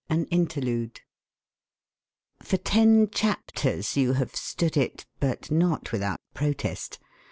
XI AN INTERLUDE For ten chapters you have stood it, but not without protest.